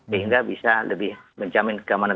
sehingga bisa lebih menjamin keamanan